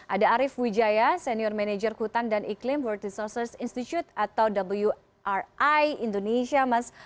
ada arief wijaya senior manager hutan dan iklim world resources institute atau wri indonesia mas